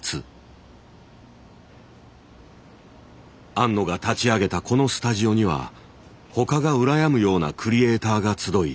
庵野が立ち上げたこのスタジオには他が羨むようなクリエーターが集い